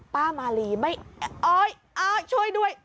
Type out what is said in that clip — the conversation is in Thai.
ป้ามารีไม่อ่อยอ่อยช่วยด้วย